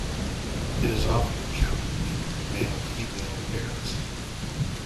It is often encountered in male-female pairs.